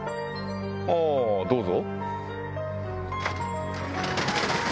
あぁどうぞ。